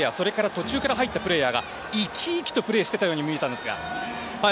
途中から入ったプレーヤーが生き生きとプレーしていたように見えたんですが。